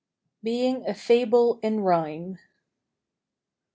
BEING A FABLE IN RHYME.